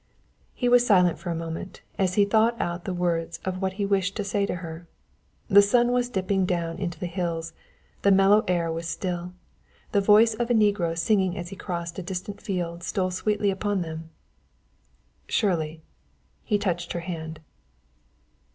He was silent for a moment as he thought out the words of what he wished to say to her. The sun was dipping down into the hills; the mellow air was still; the voice of a negro singing as he crossed a distant field stole sweetly upon them. "Shirley!" He touched her hand.